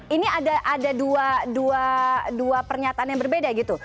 ini ada dua pernyataan yang berbeda gitu